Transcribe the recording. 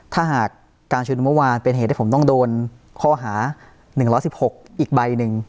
ถ้าหากการชุมนุมเมื่อวานเป็นเหตุให้ผมต้องโดนข้อหา๑๑๖อีกใบหนึ่ง